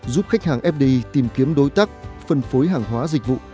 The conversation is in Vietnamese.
giúp khách hàng fdi tìm kiếm đối tác phân phối hàng hóa dịch vụ